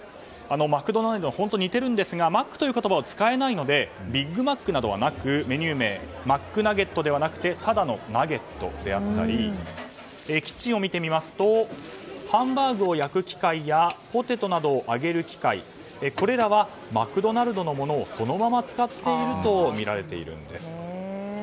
マクドナルドと似ているんですがマックという言葉を使えないのでビッグマックなどはなくメニュー名マックナゲットではなくてただのナゲットであったりキッチンを見てみますとハンバーグを焼く機械やポテトなどを揚げる機械これらはマクドナルドのものをそのまま使っているとみられているんです。